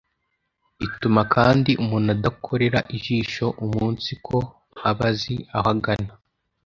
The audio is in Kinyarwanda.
ituma kandi umuntu adakorera ijisho umunsiko aba azi aho agana;